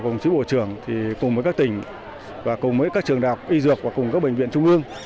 cùng chú bộ trưởng thì cùng với các tỉnh và cùng với các trường đạo y dược và cùng với các bệnh viện trung ương